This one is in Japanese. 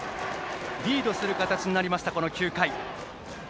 リードする形になりました、９回。